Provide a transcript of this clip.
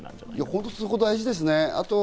本当にそこ大事ですね。